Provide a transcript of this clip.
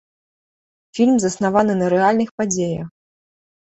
Фільм заснаваны на рэальных падзеях.